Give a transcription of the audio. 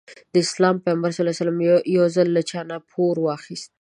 د اسلام پيغمبر ص يو ځل له چانه پور واخيسته.